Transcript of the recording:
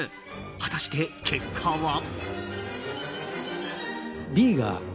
果たして、結果は？